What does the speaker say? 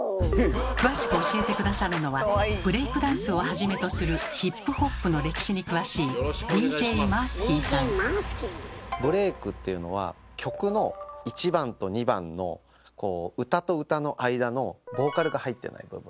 詳しく教えて下さるのはブレイクダンスをはじめとするヒップホップの歴史に詳しい曲の１番と２番のこう歌と歌の間のボーカルが入ってない部分。